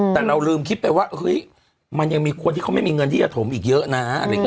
แต่เราลืมคิดไปว่ามันยังมีคนที่เขาไม่มีเงินที่จะถมอีกเยอะนะ